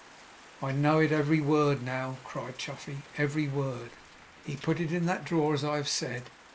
'I know it every word now!' cried Chuffey. 'Every word! He put it in that drawer, as I have said.